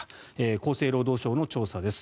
厚生労働省の調査です。